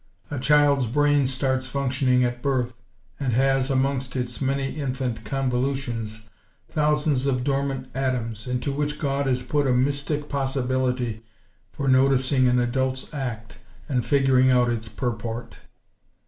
A child's brain starts functioning at birth; and has, amongst its many infant convolutions, thousands of dormant atoms, into which God has put a mystic possibility for noticing an adult's act, and figuring out its purport.